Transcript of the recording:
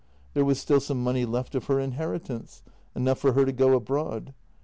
There was still some money left of her inheritance — enough for her to go abroad.